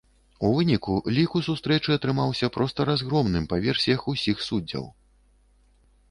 У выніку, лік у сустрэчы атрымаўся проста разгромным па версіях усіх суддзяў.